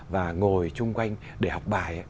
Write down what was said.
và ngồi chung quanh để học bài